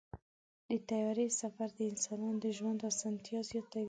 د طیارې سفر د انسانانو د ژوند اسانتیا زیاتوي.